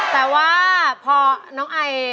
แต่ว่าพอน้องไอ